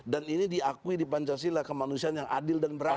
dan ini diakui di pancasila kemanusiaan yang adil dan beradab